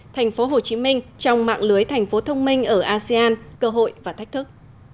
thành phố hồ chí minh trong mạng lưới thành phố thông minh ở asean cơ hội và thách thức